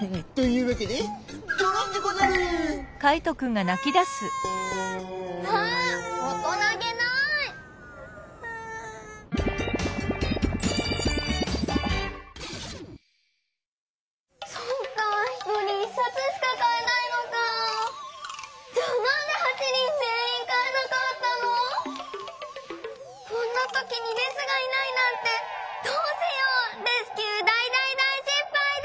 こころのこえこんなときにレスがいないなんてどうしよう⁉レスキューだいだいだいしっぱいだ！